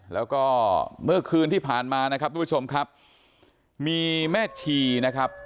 แล้วก็เมื่อคืนที่ผ่านมานะครับทุกผู้ชมครับมีแม่ชีนะครับ